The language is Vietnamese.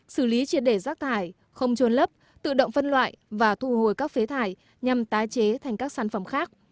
xử lý triệt để rác thải không trôn lấp tự động phân loại và thu hồi các phế thải nhằm tái chế thành các sản phẩm khác